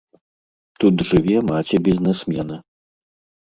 Тут жыве маці бізнэсмена.